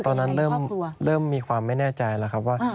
ตอนนั้นเริ่มมีความไม่แน่ใจแล้วครับว่า